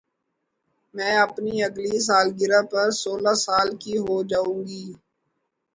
میں اپنی اگلی سالگرہ پر سولہ سال کی ہو جائو گی